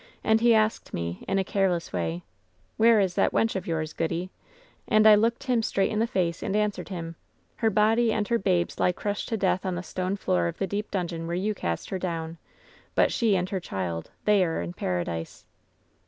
And he asked me, in a careless way :^" 'Where is that wench of yours, goody V And I looked him straight in the face, and answered him: " 'Her body and her babe's lie crushed to death on the stone floor of the deep dungeon where you cast her down ; but she and her child — ^they are in Paradise.'